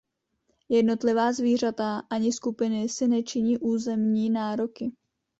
Jednotlivá zvířata ani skupiny si nečiní územní nároky.